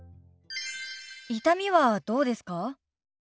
痛みはどうですか？